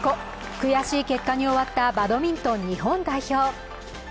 悔しい結果に終わったバドミントン日本代表。